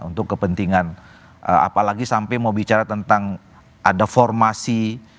untuk kepentingan apalagi sampai mau bicara tentang ada formasi